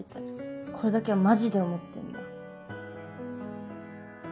これだけはマジで思ってんだ。